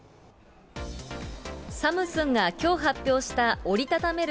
サムスンがきょう発表した折り畳める